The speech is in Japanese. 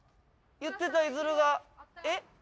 言ってたいづるがえっ？